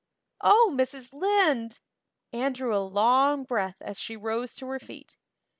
"Oh, Mrs. Lynde!" Anne drew a long breath as she rose to her feet.